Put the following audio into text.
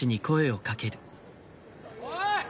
おい！